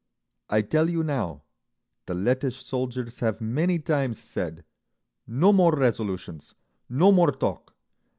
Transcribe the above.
I tell you now, the Lettish soldiers have many times said, 'No more resolutions! No more talk!